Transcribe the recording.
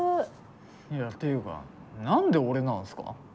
いやっていうか何で俺なんすか？